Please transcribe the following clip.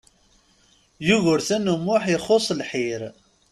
Yugurten U Muḥ ixuṣ lḥir.